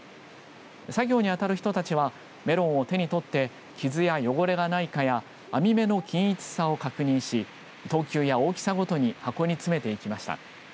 作業に当たる人たちはメロンを手に取って傷や汚れがないかや網目の均一さを確認し等級や大きさごとに箱に詰めていきました。